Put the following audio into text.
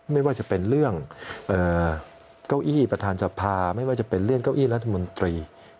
ไม่ว่าจะเป็นเรื่องเก้าอี้ประธานสภาไม่ว่าจะเป็นเรื่องเก้าอี้รัฐมนตรี